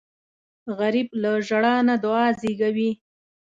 غریب له ژړا نه دعا زېږوي